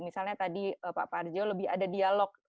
misalnya tadi pak parjo lebih ada dialog